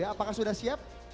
apakah sudah siap